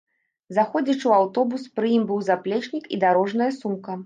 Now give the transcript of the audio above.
Заходзячы ў аўтобус пры ім быў заплечнік і дарожная сумка.